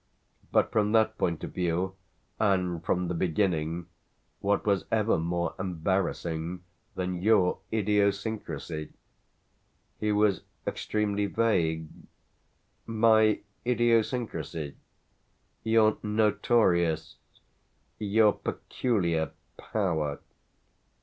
But from that point of view and from the beginning what was ever more embarrassing than your idiosyncrasy?" He was extremely vague. "My idiosyncrasy?" "Your notorious, your peculiar power."